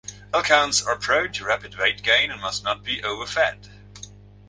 Elkhounds are prone to rapid weight gain and must not be overfed.